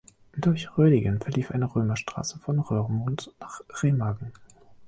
Durch Rödingen verlief eine Römerstraße von Roermond nach Remagen.